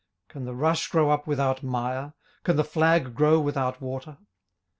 18:008:011 Can the rush grow up without mire? can the flag grow without water?